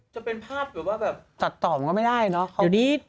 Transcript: จะเป็นภาพแบบว่าแบบตัดต่อมันก็ไม่ได้เนอะ